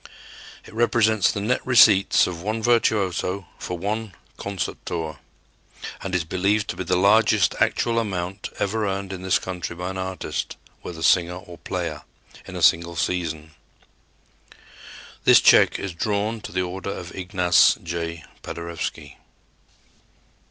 It represents the net receipts of one virtuoso for one concert tour, and is believed to be the largest actual amount ever earned in this country by an artist, whether singer or player, in a single season. This check is drawn to the order of Ignace J. Paderewski.